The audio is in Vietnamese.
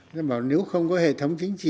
nói bảo nếu không có hệ thống chính trị